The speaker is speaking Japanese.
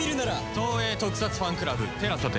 東映特撮ファンクラブＴＥＬＡＳＡで。